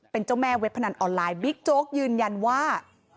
เป็นเจ้าแม่เว็บพนันออนไลน์บิ๊กโจ๊กยืนยันว่า